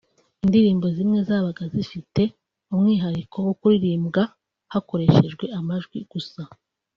Indirimbo zimwe zabaga zifite umwihariko wo kuririmbwa hakoreshejwe amajwi gusa